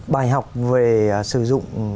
bài học về sử dụng